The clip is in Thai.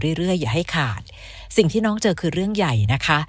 เรื่อยอย่าให้ขาดสิ่งที่น้องเจอคือเรื่องใหญ่นะคะ